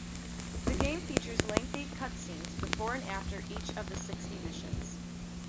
The game features lengthy cutscenes before and after each of the sixty missions.